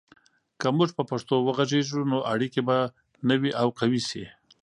که موږ په پښتو وغږیږو، نو اړیکې به نوي او قوي سي.